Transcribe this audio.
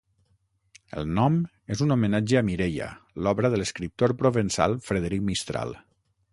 El nom és un homenatge a Mireia, l'obra de l'escriptor provençal Frederic Mistral.